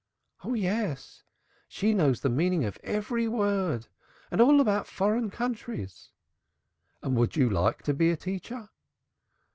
"Oh yes! She knows the meaning of every word and all about foreign countries." "And would you like to be a teacher?"